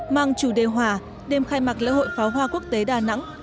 mang chủ đề hòa đêm khai mạc lễ hội pháo hoa quốc tế đà nẵng